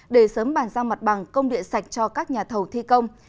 để sớm bàn ra mặt bằng công địa sạch cho các nhà thầu thi công